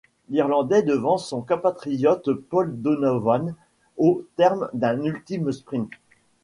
L’Irlandais devance son compatriote Paul Donovan au terme d'un ultime sprint.